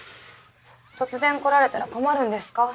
突然来られたら困るんですか？